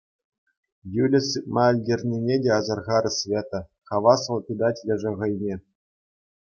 Юля сыпма ӗлкӗрнине те асӑрхарӗ Света, хаваслӑ тытать лешӗ хӑйне.